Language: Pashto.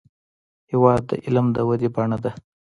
هېواد د علم د ودې بڼه ده.